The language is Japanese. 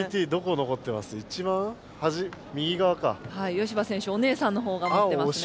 吉葉選手お姉さんのほうが持ってますね。